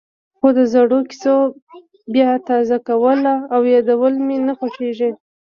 خو د زړو کېسو بیا تازه کول او یادول مې نه خوښېږي.